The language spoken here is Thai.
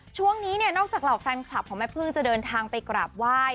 ช่วงนี้เนี่ยนอกจากเหล่าแฟนคลับของแม่พึ่งจะเดินทางไปกราบไหว้